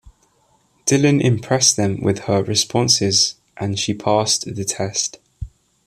Dillon impressed them with her responses and she passed the test.